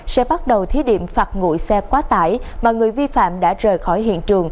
sẽ bắt đầu thí điểm phạt ngụy xe quá tải mà người vi phạm đã rời khỏi hiện trường